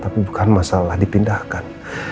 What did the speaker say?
tapi bukan masalah dipindahkan